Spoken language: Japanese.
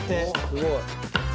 すごい。